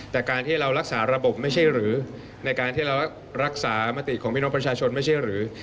แต่การที่เรารักษาระบบไม่ใช่หรือในการที่เรารักษามติของพี่น้องประชาชนไม่ใช่หรือ